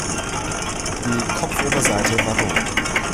Die Kopfoberseite war rot.